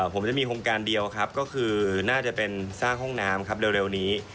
ผมจะมีโครงการเดียวครับก็คือน่าจะเป็นสร้างห้องน้ำครับเร็วนี้